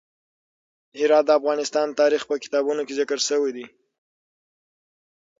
هرات د افغان تاریخ په کتابونو کې ذکر شوی دی.